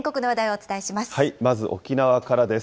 まず沖縄からです。